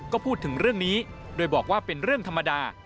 ก็พูดถึงเรื่องนี้โดยบอกว่าเป็นเรื่องธรรมดา